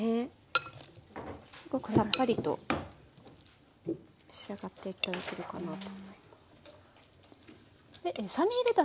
すごくさっぱりと仕上がって頂けるかなと。